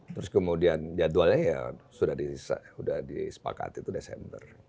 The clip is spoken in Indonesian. terus kemudian jadwalnya ya sudah disepakati itu desember